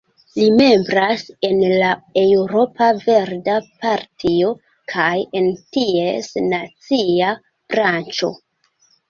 Li membras en la Eŭropa Verda Partio kaj en ties nacia branĉo.